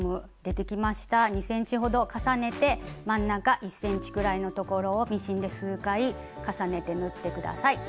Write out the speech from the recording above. ２ｃｍほど重ねて真ん中１ｃｍくらいの所をミシンで数回重ねて縫って下さい。